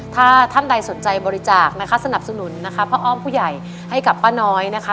ถ้าท่านใดสนใจบริจาคนะคะสนับสนุนนะคะพ่ออ้อมผู้ใหญ่ให้กับป้าน้อยนะคะ